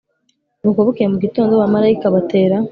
Nuko bukeye mu gitondo ba bamarayika batera